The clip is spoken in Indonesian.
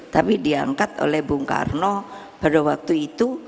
tapi diangkat oleh bung karno pada waktu itu